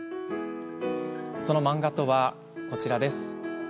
その漫画とはこちら。